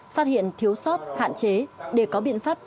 phát hiện thiếu sót hạn chế để có biện pháp chấn chỉnh